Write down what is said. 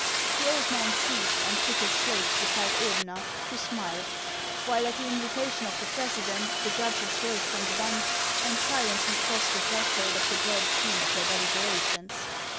The old man ceased, and took his place beside Ordener, who smiled ; while at the invitation of the president, the judges rose from the bench, and silently crossed the threshold of the dread scene of their deliberations.